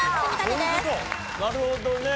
なるほどね。